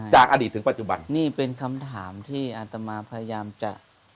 จากอดีตถึงปัจจุบันนี่เป็นคำถามที่อาตมาพยายามจะ